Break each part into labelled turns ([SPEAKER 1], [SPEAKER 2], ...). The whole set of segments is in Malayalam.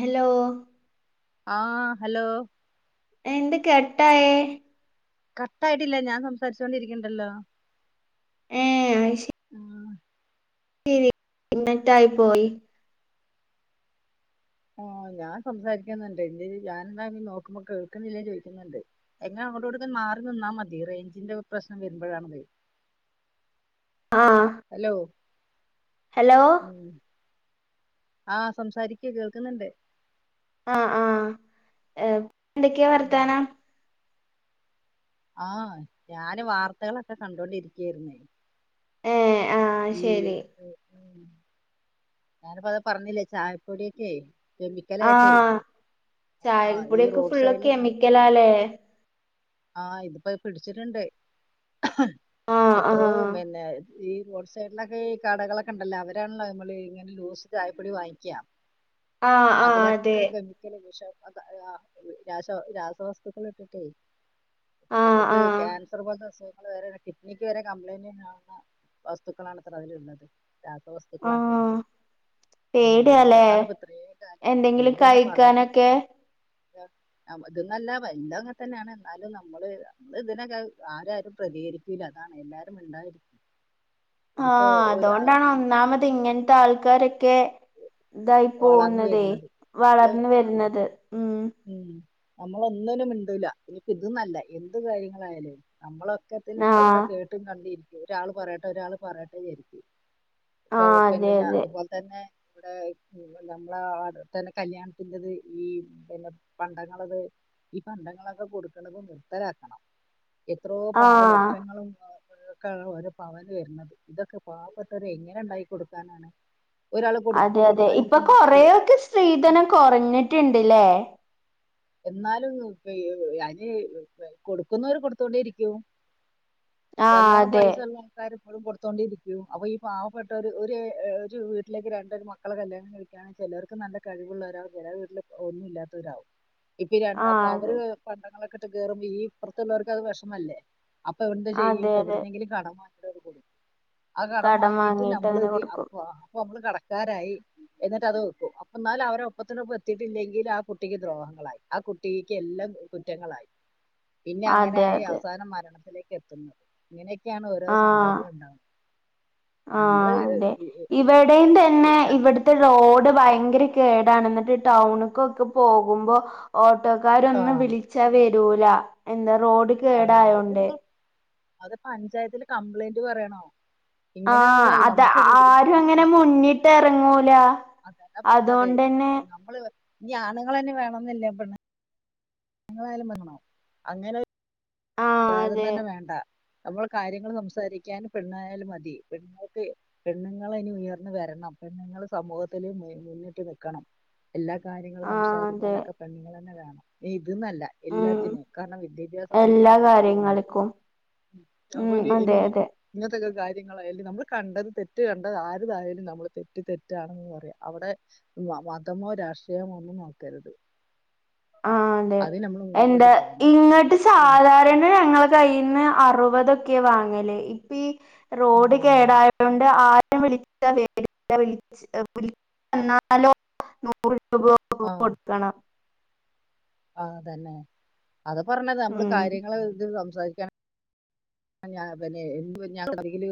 [SPEAKER 1] ഹെലോ
[SPEAKER 2] ആഹ് ഹലോ
[SPEAKER 1] എന്ത് കെട്ടായേ
[SPEAKER 2] കട്ടായ്ട്ടില്ല ഞാൻ സംസാരിച്ചോണ്ടിരിക്ക്ണ്ടല്ലോ
[SPEAKER 1] ഏ
[SPEAKER 2] ആഹ്
[SPEAKER 1] [unintelligible] [inaudible] റ്റായി പോയി
[SPEAKER 2] ആഹ് ഞാൻ സംസാരിക്ക്ന്ന്ണ്ട് ഇജ്ജ് ഞാൻന്നാ നോക്ക്മ്പോ കേൾക്ക്ന്നില്ലെ ചോയ്ക്ക്ന്ന്ണ്ട് എങ്ങെ അങ്ങട്ടുഇങ്ങട്ടൊക്കെ മാറി നിന്നാ മതി റേഞ്ചിന്റെ പ്രശ്നം വര്മ്പഴാണ്തെ
[SPEAKER 1] ആഹ്
[SPEAKER 2] ഹലോ
[SPEAKER 1] ഹലോ
[SPEAKER 2] ഉം ആ സംസാരിക്ക് കേൾക്ക്ന്ന്ണ്ട്
[SPEAKER 1] ആ ആഹഹ എന്തെടാക്ക്
[SPEAKER 2] ആഹ്
[SPEAKER 1] വർത്താനം
[SPEAKER 2] ആഹ് ഞാന് വാർത്തെളൊക്കെ കണ്ടൊണ്ടിരിക്കെര്ന്നേ
[SPEAKER 1] ഏ ആ
[SPEAKER 2] ഉം
[SPEAKER 1] ശരി
[SPEAKER 2] ഉം ഞാനിപ്പത് പറഞ്ഞില്ലേ ചായപ്പൊടിയൊക്കെയ്
[SPEAKER 1] ആ
[SPEAKER 2] കെമിക്കലായ്ട്ടെയ് ആ ഈ റോസൈഡിൽ
[SPEAKER 1] ക്കെലാല്ലേ
[SPEAKER 2] ആഹ ഇന്നിപ്പ പിടിച്ചിട്ട്ണ്ട്
[SPEAKER 1] ആ ആ
[SPEAKER 2] എത്രോ പിന്നെ ഈ റോസൈഡിലൊക്കെ ഈ കടകളൊക്കെ ണ്ടല്ലോ അവരാണല്ലോ മ്മളീ ങ്ങനെ ലൂസ് ചായപ്പൊടി വാങ്ങിക്കാ
[SPEAKER 1] [inaudible] ആ അതെ
[SPEAKER 2] അതിലൊക്കെ കെമിക്കല് വിഷ [unintelligible] ആ രാഷ രാസവസ്തുക്കളിട്ടിട്ടേ
[SPEAKER 1] ആ
[SPEAKER 2] നമുക്ക്
[SPEAKER 1] ആ
[SPEAKER 2] ക്യാൻസർ പോൽത്തെ അസുഖങ്ങൾ വരെ കി ഡ്നിക്ക് വരെ കംപ്ലൈന്റ വുന്ന വസ്തുക്കളാണ് ത്രെ അതില്ട്ണത് രാസവസ്ഥതുക്കലാണ്
[SPEAKER 1] പേടിയാണ് അത്
[SPEAKER 2] ഇത്രയും കാലം
[SPEAKER 1] എന്തെങ്കിലും കയ്ക്കാനൊക്കെ
[SPEAKER 2] [unintelligible] ന്നല്ല വല്ല ങ്ങതന്നാണ് ന്നാലും നമ്മള് മ്മള് തിനൊക്കെ ആരാരും പ്രതികരിക്കൂല്ല അതാണേ ല്ലാരു മിണ്ടായിരി
[SPEAKER 1] ആ
[SPEAKER 2] ആ-
[SPEAKER 1] അതോണ്ടാണൊന്നാമതിങ്ങൻത്താൾക്കാരൊക്കെ തായി
[SPEAKER 2] വളർന്ന്
[SPEAKER 1] പോവുന്നതേ
[SPEAKER 2] വരുന്നത് നമ്മള്
[SPEAKER 1] വളർന്ന്
[SPEAKER 2] ആഹ്
[SPEAKER 1] വരുന്നത് ഉം
[SPEAKER 2] ഉം നമ്മളൊന്നിനും മിണ്ടൂല്ല ഇനിഇതോന്നല്ല എന്ത് കാര്യങ്ങളായാലും നമ്മള് ക്കത്തിലു അ ഒക്കെ
[SPEAKER 1] ആഹ്
[SPEAKER 2] കേട്ടും കണ്ടിരിക്കും ഒരാള് പറയട്ടെ ഒരാള് പറയട്ടെ ചാരിക്കും അ
[SPEAKER 1] ആഹ്
[SPEAKER 2] ഓ പിന്നെ
[SPEAKER 1] അതെ
[SPEAKER 2] ഞാ
[SPEAKER 1] അതെ
[SPEAKER 2] അതുപോൽ തന്നെ വടെ നമ്മള അതിൽ തന്നെ കല്യാണത്തിന്റത് ഈ പിന്നെ പണ്ടങ്ങളത് ഈ പണ്ടങ്ങളൊക്കെ കൊട്ക്കണത് നിർത്തലാക്കണം എത്രോ പാവ
[SPEAKER 1] ആഹ്
[SPEAKER 2] ലക്ഷങ്ങളു ക്ക ഓരോ പവന് വര്ണത് തൊക്കെ പാപ്പെട്ടോര് എങ്ങനെ ണ്ടാക്കി കൊടുക്കാനാണ് ഒരാള്
[SPEAKER 1] അതെ
[SPEAKER 2] കൊടുക്കുമ്പോ
[SPEAKER 1] അതെ ഇപ്പൊ
[SPEAKER 2] കൊടുക്കാതിരിക്കാൻ പറ്റുവോ
[SPEAKER 1] കൊറയൊക്കെ സ്ത്രീധനം കൊറഞ്ഞിട്ട്ണ്ട്ല്ലേ
[SPEAKER 2] ന്നാലും [unintelligible] ആന് കൊടുക്കുന്നോര് കൊടുത്തോണ്ടേ ഇരിക്കും
[SPEAKER 1] ആഹ്
[SPEAKER 2] നല്ലോണം
[SPEAKER 1] അതെ
[SPEAKER 2] പൈസല്ല ക്കാര് പ്പഴും കൊടുത്തോണ്ടെയിരിക്കും അപ്പൊ ഈ പാവപ്പെട്ടോര് ഒര് ഒരു വീട്ടിലേക്ക് രണ്ടൊരു മക്കളെ കല്യാണം കഴിക്കൻ ചെലോർക്ക് നല്ല കഴിവുള്ളവരാവു ചെലേ വീട്ടില് ഒന്നുല്ലാത്തവരാവും ഇപ്പീ രണ്ടാക്കു
[SPEAKER 1] ആഹ്
[SPEAKER 2] അവര് പണ്ടങ്ങളൊക്കട്ട് കേറുമ്പോ ഈ ഇപ്പർത്ത്ള്ളോർക്കത് വേശ്മല്ലേ അപ്പവട്ന്ത് ചെയ്യും
[SPEAKER 1] അതെ അതെ അതെ
[SPEAKER 2] എവ്ട്ന്നെങ്കിലും കടവ വാങികും ആ കടം വാങ്ങീട്ട്
[SPEAKER 1] വാങ്ങിട്ട് അങ്ങനെ
[SPEAKER 2] നമ്മളിതി
[SPEAKER 1] കൊടുക്കും
[SPEAKER 2] അപ്പൊ അപ്പമ്മള് കടക്കാരായി എന്നിട്ട് അത് വെക്കും അപ്പ എന്നാല അവരെ ഒപ്പത്തിനൊപ്പം എത്തിയിട്ടില്ലെങ്കിൽ ആ കുട്ടിക്ക് ദ്രോഹങ്ങളായി ആ കുട്ടിക്ക് എല്ലാം കുറ്റങ്ങളായി പിന്നെ
[SPEAKER 1] അതെ
[SPEAKER 2] അങ്ങനായി
[SPEAKER 1] അതെ
[SPEAKER 2] അവസാനം മരണം ലേക്ക് എത്തുന്നത് ഇങ്ങനെയൊക്കെയാണ് ഓരോ
[SPEAKER 1] ആഹ്
[SPEAKER 2] സംഭവങ്ങൾ ഉണ്ടാവുന്നത് നമ്മള്
[SPEAKER 1] ആഹ് അതെ ഇവിടെയും തന്നെ ഇവിടു ത്തെ റോഡ് ഭയങ്കര കേടാണ് എന്നിട്ട് ടൗണക്കൊക്കെ പോകുമ്പോ ഓട്ടോക്കാര്
[SPEAKER 2] ആ
[SPEAKER 1] ഒന്നും വിളിച്ചാ വരൂല എന്താ റോഡ്
[SPEAKER 2] അതല്ലെ ഇത്
[SPEAKER 1] കേടായോണ്ട്
[SPEAKER 2] നിങൾ അത് പഞ്ചായത്തില് കംപ്ലൈന്റ് പറയണം
[SPEAKER 1] ആഹ് അത ആരും അങ്ങനെ മുന്നിട്ട് എറങ്ങൂല
[SPEAKER 2] അതന്നെ പറഞ്ഞത്
[SPEAKER 1] അതോണ്ടന്നെ
[SPEAKER 2] നമ്മള് ഇനി ആണുങ്ങൾ തന്നെ വേണോന്നില്ല പെണ് [unintelligible] അങ്ങനെ
[SPEAKER 1] ആഹ്
[SPEAKER 2] വേദം
[SPEAKER 1] അതെ
[SPEAKER 2] തന്നെ വേണ്ട നമ്മൾ കാര്യങ്ങൾ സംസാരിക്കാൻ പെണ്ണായാലും മതി പെങ്ങൾക്കെ പെണ്ണുങ്ങൾ ഇനി ഉയർന്നു വരണം പെണ്ണുങ്ങൾ സമൂഹത്തില് മുന്നിട്ടു നിക്കണം എല്ലാ കാര്യങ്ങളും
[SPEAKER 1] ആഹ് അതെ
[SPEAKER 2] സംസാരിക്കാനൊക്കെ പെണ്ണുങ്ങൾ തന്നെ വേണം ഇനി ഇതന്നല്ല
[SPEAKER 1] ഉം
[SPEAKER 2] എല്ലാത്തിനും കാരണം വിദ്യാഭ്യാസത്തില്
[SPEAKER 1] എല്ലാ
[SPEAKER 2] പെണ്ണങ്ങള വന്നില്ലേ
[SPEAKER 1] കാര്യങ്ങൾക്കും ഉം
[SPEAKER 2] അപ്പൊനി
[SPEAKER 1] അതെ
[SPEAKER 2] ഇനി
[SPEAKER 1] അതെ
[SPEAKER 2] ഇങ്ങനത്തെക്കെ കാര്യങ്ങളായാലും നമ്മൾ കണ്ടത് തെറ്റ് കണ്ട ആരതായാലും നമ്മൾ തെറ്റ് തെറ്റാണെന്ന് പറയ അവിടെ മ മതമോ രാഷ്ട്രീയമോ ഒന്നും നോക്കരുത്
[SPEAKER 1] ആഹ് അതെ
[SPEAKER 2] അത് നമ്മൾ
[SPEAKER 1] എന്താ
[SPEAKER 2] മുന്നോട്ട് പോകണം
[SPEAKER 1] ഇങ്ങട്ട്
[SPEAKER 2] ഉം.
[SPEAKER 1] സാധാരണ ഞങ്ങളൊ കയിന്ന് അറുപതൊക്കെ വാങ്ങല് ഇപ്പ
[SPEAKER 2] ആ
[SPEAKER 1] റോഡ് കേടായോ- അതോണ്ട് ആരും വിളിച്ച വരൂല വിളിച്ച എന്നാലോ നൂറ് രൂപ കൊടുക്കണം
[SPEAKER 2] ആഹ് തന്നെ അത് പറഞ്ഞത നമ്മള്
[SPEAKER 1] ഉം
[SPEAKER 2] കാര്യങ്ങൾ ഇത് സംസാരിക്ക ആ ഞാൻ പിന്നെ എന്ത്‌ ഒരു റീല്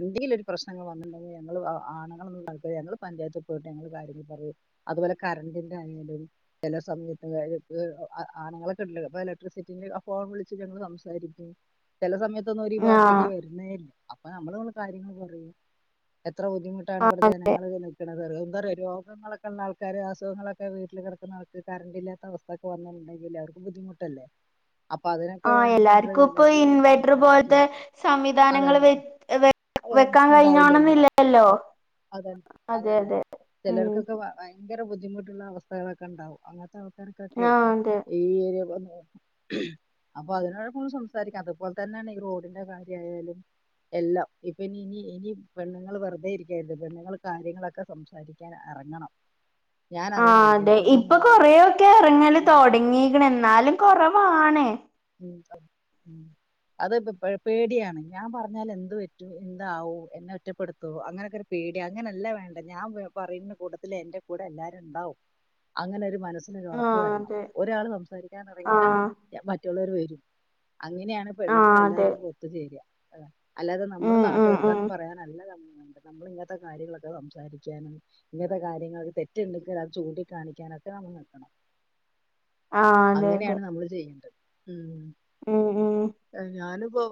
[SPEAKER 2] എന്തേലും ഒരു പ്രശ്നങ്ങൾ വന്നുണ്ടെകിൽ ഞങ്ങള് ആണുങ്ങളെ ഒന്നും നോക്കില്ല ഞങ്ങൾ പഞ്ചായത്തി പോയിട്ട് ഞങ്ങള് കാര്യങ്ങൾ പറയും അതുപോലെ കറണ്ടിന്റെ ആണേലും ചില സമയത്ത് കാര്യ [unintelligible] ആണുങ്ങളെ കിട്ടില്ല അപ്പൊ ഇലക്ട്രിസിറ്റീൽ ഫോൺ വിളിച് ഞങ്ങള് സംസാരിക്കും ചില സമയത്തൊന്നും അവര് ഈ
[SPEAKER 1] ആഹ്
[SPEAKER 2] ഭാഗത്തേക്കെ വരുന്നേ ല്ല അപ്പൊ നമ്മൾ കാര്യങ്ങൾ പറയും എത്ര ബുദ്ധിമു ട്ടണേ
[SPEAKER 1] ആഹ്
[SPEAKER 2] ഇവിടെ ജനങ്ങൾ പിന്നെന്താരിയോ ന്താ റിയോ രോഗങ്ങളൊക്കെ ഉള്ള ആൾക്കാര് അസുഖങ്ങളൊക്കെ വീട്ടിൽ കിടക്കുന്ന ആൾക്ക് കറണ്ടില്ലാത്ത അവസ്ഥ ഇതക്കെ വന്നട്ടുണ്ടെങ്കിൽ ല്ലാർക്കും ബുദ്ധിമുട്ടല്ലേ അപ്പൊ അത് ന്
[SPEAKER 1] ആഹ് എല്ലാർക്കും ഇപ്പൊ ഇൻവെ റ്റർ പോലത്തെ സംവിധാനങ്ങൾ
[SPEAKER 2] അതന്നെ
[SPEAKER 1] വെ വെ വെക്കാൻ കഴിഞ്ഞോണന്നില്ലല്ലോ
[SPEAKER 2] അത
[SPEAKER 1] അതെ
[SPEAKER 2] അതന്നെ
[SPEAKER 1] അതെ ഉം
[SPEAKER 2] ചിലർക്കൊക്കെ ഭയങ്കര ബുദ്ധിമുട്ടുള്ള അവസ്ഥകളൊക്കെ ഉണ്ടാകും അങ്ങനത്തെ ആൾക്കാര്- ക്കെ
[SPEAKER 1] ആഹ് അതെ
[SPEAKER 2] ഈ ഏരി അപ്പൊ അതിനോട സംസാരിക്കാപ അതുപോലെ തന്നെയാണ് ഈ റോഡിന്റെ കാര്യായാലും എല്ലാം ഇപ്പ ഇനി ഇനി ഇനി പെണ്ണുങ്ങള് വെറുതെ ഇരിക്കായിരുന്നു പെണ്ണുങ്ങള് കാര്യങ്ങളൊക്കെ സംസാരി ക്കാൻ എറങ്ങണം
[SPEAKER 1] ആഹ് അതെ ഇപ്പൊ കൊറെയൊക്കെ ഇറങ്ങല് തൊടങ്ങീക്കണ് എന്നാലും കൊറവാണ്
[SPEAKER 2] ഉം ഉം അത് പേ പേടിയാണ് ഞാൻ പറഞ്ഞാൽ എന്ത് പറ്റു എന്താവും എന്നെ ഒറ്റപ്പെടുത്തോ അങ്ങനെക്കെരു പേടിയ അങ്ങനെല്ലാ വേണ്ട ഞാൻ പറയുന്ന കൂട്ടത്തില് എന്റെ കൂടെ എല്ലാരും ണ്ടാവും അങ്ങനൊരു മനസ് അങ്ങനൊരു ഉറപ്പ്
[SPEAKER 1] ആഹ്
[SPEAKER 2] വരണം
[SPEAKER 1] അതെ
[SPEAKER 2] ഒരാൾ സംസാരിക്കാൻ ഇറങ്ങിയാ
[SPEAKER 1] ആഹ്
[SPEAKER 2] മറ്റുള്ളവര് വരും അങ്ങനെയാണ്
[SPEAKER 1] ആഹ്
[SPEAKER 2] പെണ്ണുങ്ങൾ
[SPEAKER 1] അതെ
[SPEAKER 2] എല്ലാരും ഒത്തുചേര അല്ലാതെ നമ്മള്
[SPEAKER 1] ഉം
[SPEAKER 2] നാട്ടു
[SPEAKER 1] ഉം ഉം
[SPEAKER 2] വർത്താനം പറയാനല്ല നമ്മ നമ്മള് ഇങ്ങനത്തെ കാര്യങ്ങളൊക്കെ സംസാരിക്കാനും ഇങ്ങനത്തെ കാര്യങ്ങളില് തെറ്റുണ്ടെങ്കിൽ അത് ചൂണ്ടിക്കാണിക്കാനൊക്കെ നമ്മൾ നിൽക്കണം
[SPEAKER 1] ആഹ് അതെ അതെ
[SPEAKER 2] അങ്ങനെയാണ് നമ്മള് ചെയ്യേണ്ടത് ഉം
[SPEAKER 1] ഉം ഉം
[SPEAKER 2] ഞാനിപ്പോ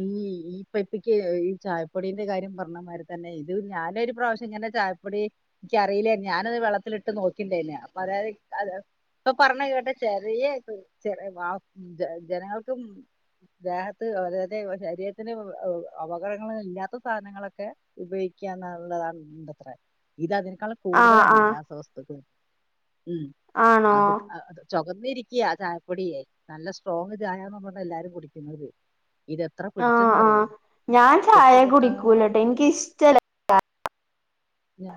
[SPEAKER 2] ഈ ഈ പെട്ടിക്ക് ഈ ചായപ്പൊടീന്റെ കാര്യം പറഞ്ഞ മാരി തന്നെ ഇത് ഞാൻ ഒരു പ്രാവശ്യം ഇങ്ങനെ ചായപ്പൊടി എനിക്കറിയില്ലാരുന്ന് ഞാനത് വെള്ളത്തിലിട്ട് നോക്കിണ്ടേന് അപ്പൊ അതായത് അത് ഇപ്പൊ പറഞ്ഞ കേട്ട ചെറിയ ചെറി വാ മ് ജന ജനങ്ങൾക്കും ദേഹത്ത് അതായത് ശരീരത്തിന് ഉം അപകടങ്ങള് ഇല്ലാത്ത സാധനങ്ങളൊക്കെ ഉപയിക്കാനുള്ള വേണ്ടത്രേ ഇത് അതിനേക്കാളും
[SPEAKER 1] ആഹ്
[SPEAKER 2] കൂടുതലാണ്
[SPEAKER 1] ആഹ്
[SPEAKER 2] രാസവസ്തുക്കള് ഉം
[SPEAKER 1] ആണോ
[SPEAKER 2] അത്ക് അത് ചൊകന്നിരിക്യാ ചായപ്പൊടിയെ നല്ല സ്ട്രോങ്ങ് ചയാണന്ന് പറഞ്ഞാ എല്ലാരും കുടിക്കുന്നത് ഇതെത്ര
[SPEAKER 1] ആഹ്
[SPEAKER 2] പിടിച്ചെന്നറിയോ
[SPEAKER 1] ആഹ് ഞാൻ ചായ
[SPEAKER 2] കെട്ട്
[SPEAKER 1] കുടിക്കൂലട്ടോ
[SPEAKER 2] കെട്ടായിട്ട്
[SPEAKER 1] എനിക്ക് ഇഷ്ടല്ല
[SPEAKER 2] ഞാ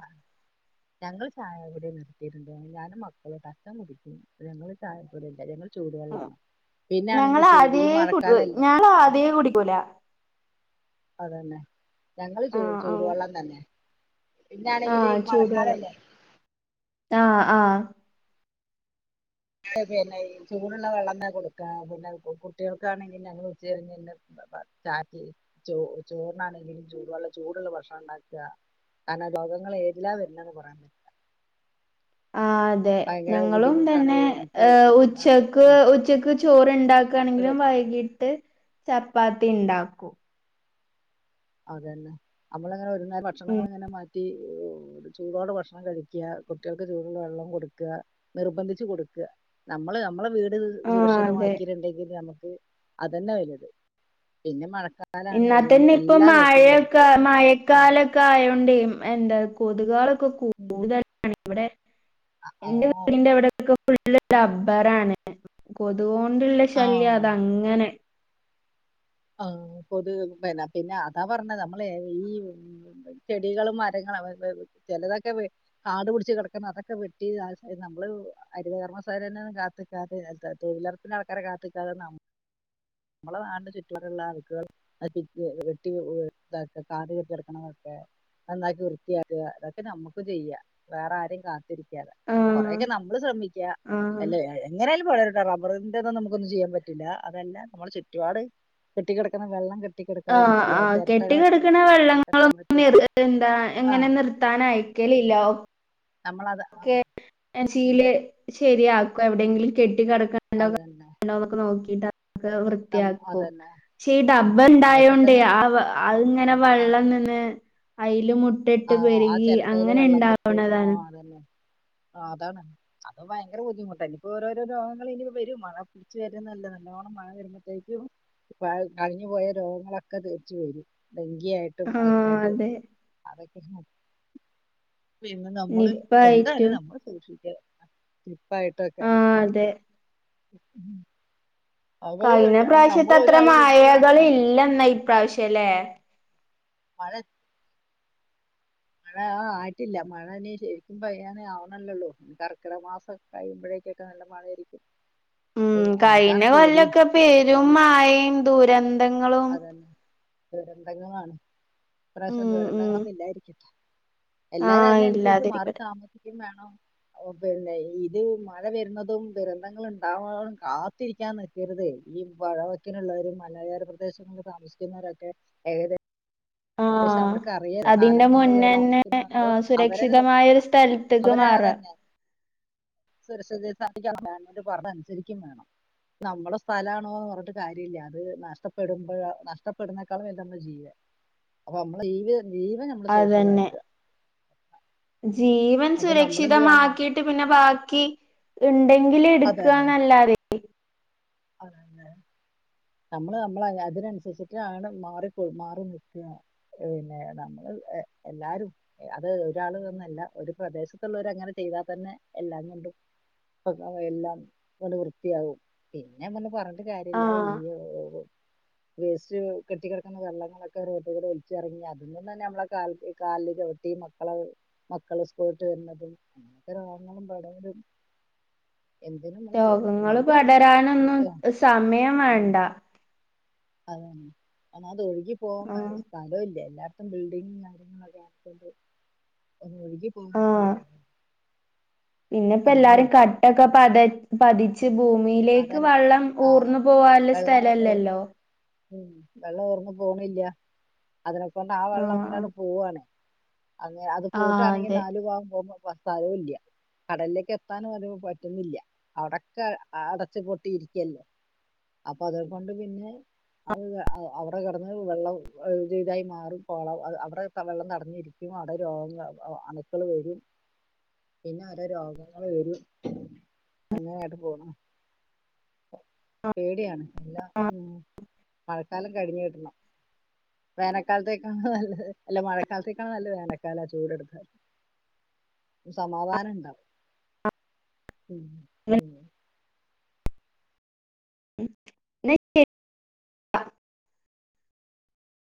[SPEAKER 2] ഞങ്ങൾ ചായ കുടി നിർത്തിയിട്ടുണ്ട്. ഞാനും മക്കളും കട്ടൻ കുടിക്കും. ഞങ്ങള് ചായവിടെല്ല
[SPEAKER 1] ഉം.
[SPEAKER 2] ചൂടുവെള്ളാണ്
[SPEAKER 1] ഞങ്ങള്
[SPEAKER 2] പിന്നൊണെങ്കിൽ ചൂ ഈ
[SPEAKER 1] ആദ്യേ കുടി
[SPEAKER 2] മഴക്കാലല്ലേ
[SPEAKER 1] ഞങ്ങള് ആദ്യേ കുടിക്കൂല
[SPEAKER 2] അത് തന്നെ ഞങ്ങള് ചൂ
[SPEAKER 1] ആഹ്
[SPEAKER 2] ചൂടു
[SPEAKER 1] ആഹ്
[SPEAKER 2] വെള്ളം തന്നെ പിന്നാണെങ്കില്
[SPEAKER 1] ആഹ് ചൂടുവെള്ളം
[SPEAKER 2] മഴക്കാലല്ലേ
[SPEAKER 1] ആഹ് ആഹ്
[SPEAKER 2] അത് തന്നെ ഈ ചൂടുള്ള വെള്ളം തന്നെ കൊടുക്കാ പിന്നെ അതുപോലെ കുട്ടികൾക്കാണെങ്കിൽ ഞങ്ങൾ ഉച്ച കഴിഞ്ഞെ ചാ [unintelligible] റ്റെയ്‌ ചോറ് ചോറിനാണെങ്കിലും ചൂട് വള്ള ചൂടുള്ള ഭക്ഷണം ഒണ്ടാക്കുക കാരണം രോഗങ്ങള് ഏതിലാ വരിന്നെന്ന് പറയാൻ പറ്റ്-
[SPEAKER 1] ആഹ് അതെ
[SPEAKER 2] ഭയങ്കര
[SPEAKER 1] ഞങ്ങളും
[SPEAKER 2] ബുദ്ധിമുട്ടാണ്
[SPEAKER 1] തന്നെ-
[SPEAKER 2] നമുക്ക്
[SPEAKER 1] ഏഹ് ഉച്ചക്ക്
[SPEAKER 2] ഉം
[SPEAKER 1] ഉച്ചക്ക് ചോറിണ്ടാക്കാണെങ്കിലും വൈകിട്ട്- ചപ്പാത്തി ഇണ്ടാക്കും
[SPEAKER 2] അത് തന്നെ നമ്മളങ്ങനെ ഒരു നേരം ഭക്ഷണങ്ങൾ
[SPEAKER 1] ഉം
[SPEAKER 2] ഇങ്ങനെ മാറ്റി- ചൂടോടെ ഭക്ഷണം കഴിക്കുക കുട്ടികൾക്ക് ചൂടുള്ള വെള്ളം കൊടുക്കുക നിർബന്ധിച്ച് കൊടുക്കുക നമ്മള് നമ്മളെ വീട്
[SPEAKER 1] ആഹ് അതെ
[SPEAKER 2] സുരക്ഷിതമാക്കട്ടുണ്ടെങ്കിൽ നമുക്ക് അത് തന്നാ വലുത് പിന്നെ മഴക്കലാ -
[SPEAKER 1] എന്നാ തന്നെ
[SPEAKER 2] [unintelligible]
[SPEAKER 1] ഇപ്പൊ മഴയൊക്കെ മഴക്കാലം- കായോണ്ട് എന്താ കൊതുകൊതുകളൊക്കെ കൂടുതലാണ് ഇവിടെ- എന്റെ
[SPEAKER 2] ആഹ്
[SPEAKER 1] വീടിന്റെ അവിടൊക്കെ ഫുള്ള് റബ്ബറാണ് കൊതുകുകൊണ്ടുള്ള ശല്യം
[SPEAKER 2] ആഹ്
[SPEAKER 1] അത് അങ്ങനെ
[SPEAKER 2] ആഹ് കൊതുക് എന്നാ പിന്നെ അതാ പറഞ്ഞത് നമ്മളെ ഈ- ചെടികളും മരങ്ങളും അവരുടേത് ചെലതൊക്കെ വെട്ടി- കാടു പിടിച്ച് കെടക്കുന്ന അതൊക്കെ വെട്ടി നമ്മള് ഹരിതകർമ്മസേനെന്ന്- [inaudible] തൊഴിലുറപ്പിന്റെ ആൾക്കാരെ കാത്തിക്കാതെ നമ് നമ്മളെ നാടിന്റെ ചുറ്റപാടുള്ള അഴുക്കുകൾ- അത് വെട്ടി ഇതാക്ക കാട് കേറി കെടക്കണതൊക്കെ- നന്നാക്കി വൃത്തിയാക്കുക അതൊക്കെ നമ്മുക്ക് ചെയ്യാം വേറെ ആരെയും കാത്തിരി
[SPEAKER 1] ആഹ്
[SPEAKER 2] കൊറെയൊക്കെ നമ്മള് ശ്രദ്ധിക്കുക
[SPEAKER 1] ആഹ്
[SPEAKER 2] അല്ലേ എങ്ങനായാലും പോ റബ്ബറിന്റെതൊന്നും നമുക്കൊന്നും ചെയ്യാൻ ൻ പറ്റില്ല അതല്ല നമ്മള് ചുറ്റപാട് കെട്ടിക്കിടക്കുന്ന വെള്ളം കെ
[SPEAKER 1] ആഹ് ആഹ് കെട്ടി കിടക്കണ
[SPEAKER 2] അതൊക്കെ
[SPEAKER 1] വെള്ളങ്ങളൊന്നും
[SPEAKER 2] കമഴ്ത്തിയിടാ
[SPEAKER 1] [unintelligible] എന്താ
[SPEAKER 2] ആ
[SPEAKER 1] എങ്ങനെ നിർ ത്താൻ അയക്കലില്ല ഓഹ്
[SPEAKER 2] നമ്മളത്- ആ
[SPEAKER 1] കെ ശീലെ ശരിയാക്കും എവിടെങ്കിലും കെട്ടി കെടക്കണ വല്ലൊക്കെ
[SPEAKER 2] അതന്നെ
[SPEAKER 1] ഒണ്ടോന്നൊക്കെ നോക്കിട്ട് അത്
[SPEAKER 2] നം
[SPEAKER 1] വൃത്തിയാക്കും
[SPEAKER 2] അതന്നെ
[SPEAKER 1] പക്ഷെ ഈ ഡബ
[SPEAKER 2] അതൊക്കെ
[SPEAKER 1] ഇണ്ടായോണ്ടേ
[SPEAKER 2] തന്നെ
[SPEAKER 1] ആഹ് അതിങ്ങനെ
[SPEAKER 2] ആ
[SPEAKER 1] വെള്ളം ഇങ്ങനെ അയില് മു ട്ടെട്ട്
[SPEAKER 2] ആ
[SPEAKER 1] പെരുകി അങ്ങനെ ഇണ്ടാവണതാണ്
[SPEAKER 2] അത് തന്നെ ആഹ് അതാണ് അത് ഭയങ്കര ബുദ്ധിമുട്ട ഇനിപ്പോ ഓരോരോ രോഗങ്ങൾ ഇനി വരും മഴ- രിച്ച് വരുന്നല്ല നല്ലോണം മഴ വരുമ്പോഴത്തേക്കും- ഇപ്പ അളിഞ്ഞുപോയ രോഗങ്ങളൊക്കെ തീരിച് വരും ഡെങ്കി ആയിട്ടും
[SPEAKER 1] ആ
[SPEAKER 2] അതൊക്കൊയിട്ടും -
[SPEAKER 1] അതെ
[SPEAKER 2] അതൊക്കെ പിന്നെ നമ്മള്
[SPEAKER 1] നിപ്പ
[SPEAKER 2] എന്തായാലും
[SPEAKER 1] ആയിട്ടും
[SPEAKER 2] നമ്മള് സൂക്ഷിക്ക [unintelligible] പ്പായിട്ടൊക്കെ
[SPEAKER 1] ആ അതെ കഴിഞ്ഞ പ്രാവശ്യതെ അത്ര
[SPEAKER 2] ഒരാൾ കൊടുക്കും.
[SPEAKER 1] മായകള് ഇല്ലെന്നാ ഇപ്രാവശ്യല്ലേ
[SPEAKER 2] [unintelligible] മഴ ആ ആയിട്ടില്ല മഴ നി ശരിക്കും പെയ്യാനെ ആവണല്ലള്ളോ കർക്കിട മാസംയൊക്കെ കഴുമ്പോഴേക്കൊക്കെ നല്ല മഴയായിരിക്കും ഏ,
[SPEAKER 1] ഉം കഴിഞ
[SPEAKER 2] അതാണ് പേടി
[SPEAKER 1] കൊല്ലൊക്കെ പെരും മാഴെയും ദൂരം
[SPEAKER 2] അത് തന്നെ ദുരന്തങ്ങളാണ് പ്രാവശ്യം
[SPEAKER 1] ഉം ഉം
[SPEAKER 2] ദുരന്തങ്ങളൊന്നും ഇല്ലായിരിക്കട്ടെ
[SPEAKER 1] ആ
[SPEAKER 2] എല്ലാരും അതിനനുസരിച്ച് മാറി
[SPEAKER 1] ഇല്ലാതിരിക്കട്ടെ
[SPEAKER 2] താമസിക്കും വേണം അ പിന്നെ ഇത് മഴ വരുന്നതും ദുരന്തങ്ങൾ ഉണ്ടാവുന്നും കാത്തിരിക്കാന്ന്- വെറുതെ ഈ വഴവക്കിനുള്ളവരും മലയര പ്രദേശങ്ങളിൽ താമസിക്കുന്നവരൊക്കെ ഏത്
[SPEAKER 1] ആഹ്
[SPEAKER 2] കാലം
[SPEAKER 1] അതിന്റെ
[SPEAKER 2] കൊണ്ട് അവർ
[SPEAKER 1] മുന്നെ
[SPEAKER 2] താമസിക്കുന്നതാണപ്പോ
[SPEAKER 1] ആഹ്
[SPEAKER 2] അവരെ
[SPEAKER 1] സുരക്ഷിതമായൊ ഒരു സ്ഥലത്തേക്ക് മാറാം
[SPEAKER 2] സു സിക്ക [unintelligible] വേണം് പറഞ്ഞതനുസരിക്കും വേണം നമ്മുടെ സ്ഥലമാണോന്ന് പറഞ്ഞിട്ട് കാര്യല്ല അത് നഷ്ടപ്പെടുമ്പോ നഷ്ടപ്പെടുന്നേക്കാളും വല്ല നമ്മുടെ ജീവ അപ്പൊ നമ്മള് [unintelligible] ജീവ
[SPEAKER 1] അതന്നെ
[SPEAKER 2] സുരക്ഷിതമാക്കുക
[SPEAKER 1] ജീവൻ
[SPEAKER 2] അപ്പൊ നമ്മളെന്ത് വേണം നമ്മൾ
[SPEAKER 1] സുരക്ഷിതമാക്കിയിട്ട് പിന്നെ ബാക്കി ഇണ്ടെങ്കില് എടുക്കുക
[SPEAKER 2] അതന്നെ
[SPEAKER 1] എന്നല്ലാതെ
[SPEAKER 2] അതന്നെ നമ്മള് നമ്മള അതിനനുസരിച്ചിട്ട് ആണ് മാറി പൊ മാറി നിൽക്കുക. പിന്നെ നമ്മള് എ എല്ലാരും അത് ഒരാള് ന്നല്ല ഒരു പ്രദേശത്തുള്ളവര് അങ്ങനെ ചെയ്താൽ തന്നെ എല്ലാംണ്ടു പക എല്ലാം കൊണ്ട് വൃത്തിയാകും. പിന്നെമ്മ പറഞ്ഞിട്ട് കാര്യല്ല
[SPEAKER 1] ആഹ്
[SPEAKER 2] യ്യോ വേസ്റ്റ് കെട്ടി കിടക്ന്ന വെള്ളങ്ങളൊക്കെ റോട്ട കൂടെ ഒലിച്ചിറങ്ങി അതിൽന്ന് തന്നെ നമ്മളെ കാ കാല [unintelligible] ക്കെ മള മക്കള് സ്കൂളട് വരുന്നതും അങ്ങനക്കെ രോഗങ്ങളും പടരും എന്തിനും
[SPEAKER 1] രോഗങ്ങള്
[SPEAKER 2] നമ്മള്
[SPEAKER 1] പടരാനൊന്നും സമയം വേണ്ട.
[SPEAKER 2] അതന്നെ എന്നാൽ അത് ഒഴുകി പോകൻ
[SPEAKER 1] ആഹ്
[SPEAKER 2] സ്ഥലം ഇല്ല എല്ലാ ബിൽഡിങ്ങും കാര്യങ്ങളും [unintelligible] ഒന്ന് ഒഴുകി പോകാനും [unintelligible]
[SPEAKER 1] പിന്നെ ഇപ്പ എല്ലാരും
[SPEAKER 2] ഇരിക്കും
[SPEAKER 1] കട്ടൊക്കെപ്പത പതിച്ച് ഭൂമിയിലേക്ക്
[SPEAKER 2] അതന്നെ
[SPEAKER 1] വള്ളം
[SPEAKER 2] ആ
[SPEAKER 1] ഊർന്നു പോവാൻള്ള സ്ഥലല്ലല്ലോ
[SPEAKER 2] ഉംമ് വെള്ളം ഊർന്ന പോണില്ല അതിനെ കൊണ്ട് ആ വെള്ളം
[SPEAKER 1] ആഹ്
[SPEAKER 2] ങ്ങനെ പോവാണ് അങ്ങനെ അത്
[SPEAKER 1] ആഹ് ആഹ്
[SPEAKER 2] പോയിട്ടണെങ്കി
[SPEAKER 1] അതെ
[SPEAKER 2] നാല് പോവാം പോമ്പ സ്ഥലവല്ല കടലിലേക്ക് എത്താൻ പറയുമ്പോ പറ്റുന്നില്ല അവിടക്കെ അടച്ചു പൊട്ടി ഇരിക്കല്ലോ അപ്പൊ അതകൊണ്ട് പിന്നെ അത് അവിടെ കിടന്ന് വെള്ളം ചെയ്തായി മാറും പോളം അവിടെ വെള്ളം തടഞ്ഞിരിക്കും അവിടെ രോഗങ്ങ ആൻ അണുക്കൾ വരും പിന്നെ ഓരോ രോഗങ്ങള് വരും അങ്ങനെയായിട്ട് പോണം പേടിയാണ് എല്ലാം
[SPEAKER 1] ആഹ്
[SPEAKER 2] ഉമ് മഴക്കാലം കഴിഞ്ഞ കിട്ടണം. വേനക്കാലത്തേക്കണ നല്ല അല്ല മഴക്കാലത്തേ കാണല്ലേ വേനക്കാല ആ ചൂട് ട്ത്ത സമാധാന ണ്ടാവും
[SPEAKER 1] എന്നാ
[SPEAKER 2] ഉമ്
[SPEAKER 1] [unintelligible]